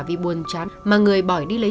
vì buồn chán mà người bỏ đi lấy